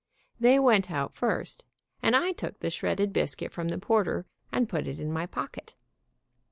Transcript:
They went out first, and I took the shredded biscuit from the porter and put it in my pocket.